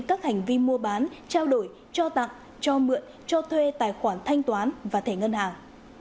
các hành vi mua bán trao đổi cho tặng cho mượn cho thuê tài khoản thanh toán và thẻ ngân hàng